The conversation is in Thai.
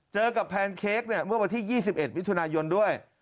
เจอกับแพนเค้กเนี้ยเมื่อวันที่ยี่สิบเอ็ดวิธุนายนด้วย